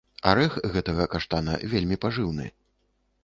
Арэх гэтага каштана вельмі пажыўны.